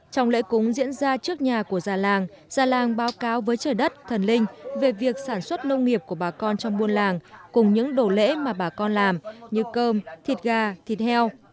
trong lễ cúng diễn ra trước nhà của già làng gia làng báo cáo với trời đất thần linh về việc sản xuất nông nghiệp của bà con trong buôn làng cùng những đồ lễ mà bà con làm như cơm thịt gà thịt heo